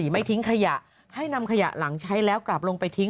ไม่ทิ้งขยะให้นำขยะหลังใช้แล้วกลับลงไปทิ้ง